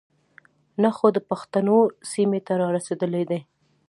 نۀ خو د پښتنو سيمې ته را رسېدلے دے.